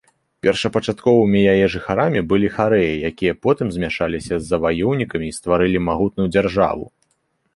Першапачатковымі яе жыхарамі былі харэі, якія потым змяшаліся з заваёўнікамі і стварылі магутную дзяржаву.